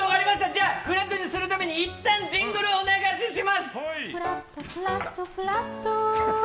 じゃあ、フラットにするために、一旦ジングルをお願いします。